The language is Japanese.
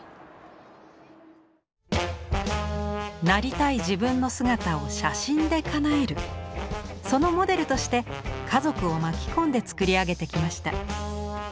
なりたい自分の姿を写真でかなえるそのモデルとして家族を巻き込んで作り上げてきました。